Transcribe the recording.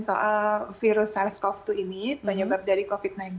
soal virus sars cov dua ini penyebab dari covid sembilan belas